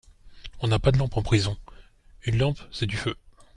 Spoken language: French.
On n'a pas de lampe en prison ; une lampe c'est du feu.